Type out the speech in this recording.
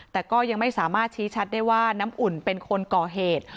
แต่ก็ยังไม่สามารถชี้ชัดได้ว่าน้ำอุ่นเป็นคนก่อเหตุ